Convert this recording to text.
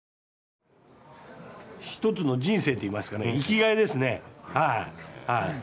一つの人生っていいますかね生きがいですねはい。